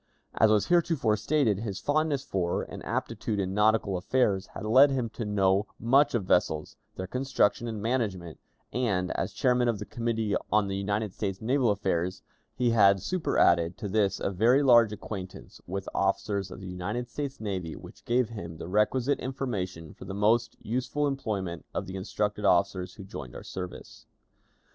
As was heretofore stated, his fondness for and aptitude in nautical affairs had led him to know much of vessels, their construction and management, and, as chairman of the Committee on United States Naval Affairs, he had superadded to this a very large acquaintance with officers of the United States Navy, which gave him the requisite information for the most useful employment of the instructed officers who joined our service.